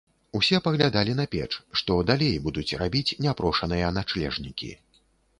Усе паглядалі на печ, што далей будуць рабіць няпрошаныя начлежнікі.